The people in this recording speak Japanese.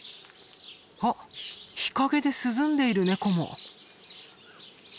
あっ日陰で涼んでいるネコも！